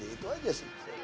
itu aja sih